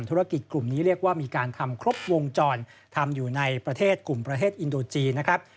ธุรกิจกลุ่มนี้เรียกว่ามีการทำครบวงจรทำอยู่ในประเทศกลุ่มประเทศอินโดจีนนะครับ